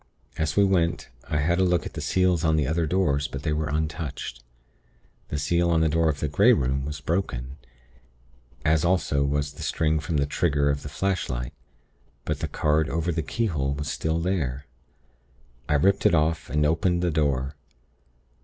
As we went, I had a look at the seals on the other doors; but they were untouched. The seal on the door of the Grey Room was broken, as also was the string from the trigger of the flashlight; but the card over the keyhole was still there. I ripped it off, and opened the door.